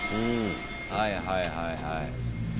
はいはいはいはい。